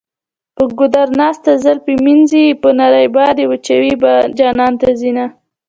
په ګودر ناسته زلفې مینځي په نري باد یې وچوي جانان ته ځینه.